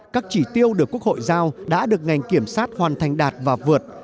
các chỉ tiêu được quốc hội giao đã được ngành kiểm sát hoàn thành đạt và vượt